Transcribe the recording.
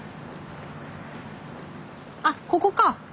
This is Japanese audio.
あっここか。